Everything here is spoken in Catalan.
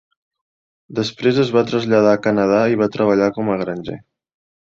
Després es va traslladar a Canadà i va treballar com a granger.